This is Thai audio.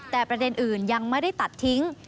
แต่ประเด็นอื่นยังไม่ได้ตัดทิ้ง